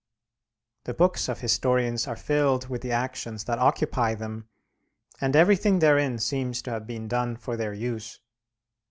The books of historians are filled with the actions that occupy them, and everything therein seems to have been done for their use.